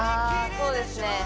そうですね